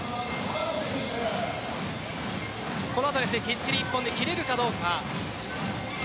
この後きっちり１本で切れるかどうかです。